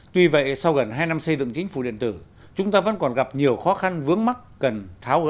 tuy vậy sau gần hai năm xây dựng chính phủ điện tử chúng ta vẫn còn gặp nhiều khó khăn vướng mắt cần tháo gỡ